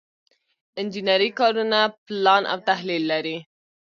انجنري کارونه پلان او تحلیل لري.